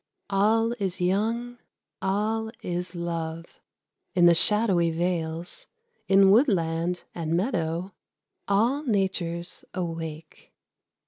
All is young, all is love. In the shadowy vales, In woodland and meadow, all Nature's awake.